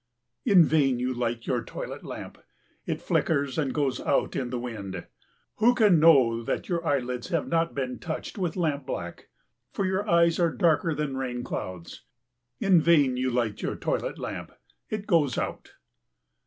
In vain you light your toilet lamp it flickers and goes out in the wind. Who can know that your eyelids have not been touched with lamp black? For your eyes are darker than rain clouds. In vain you light your toilet lamp it goes out.